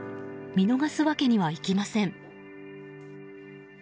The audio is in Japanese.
見逃すわけにはいきません。